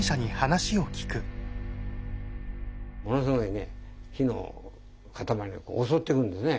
ものすごいね火の塊が襲ってくるんですね。